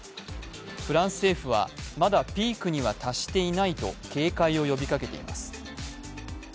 フランス政府は、まだピークには達していないと警戒を呼びかけています。